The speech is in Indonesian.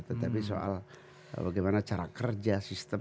tetapi soal bagaimana cara kerja sistem